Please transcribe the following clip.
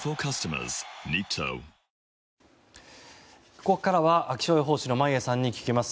ここからは、気象予報士の眞家さんに聞きます。